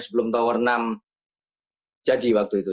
sebelum tower enam jadi waktu itu